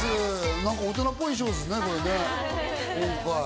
なんか大人っぽい衣装ですね、今回。